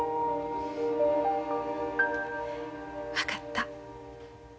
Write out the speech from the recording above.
分かった。